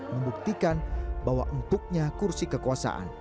membuktikan bahwa empuknya kursi kekuasaan